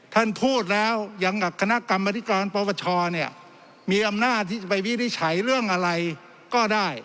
ท่านพูดแล้วอย่างกับคณะกรรมธิการปปชเนี่ยมีอำนาจที่จะไปวินิจฉัยเรื่องอะไรก็ได้